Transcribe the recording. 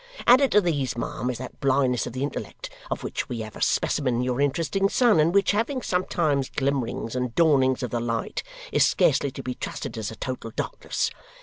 Added to these, ma'am, is that blindness of the intellect, of which we have a specimen in your interesting son, and which, having sometimes glimmerings and dawnings of the light, is scarcely to be trusted as a total darkness.